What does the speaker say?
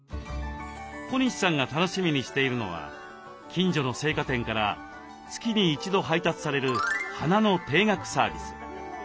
小西さんが楽しみにしているのは近所の生花店から月に一度配達される花の定額サービス。